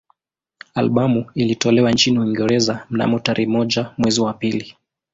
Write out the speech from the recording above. Albamu ilitolewa nchini Uingereza mnamo tarehe moja mwezi wa pili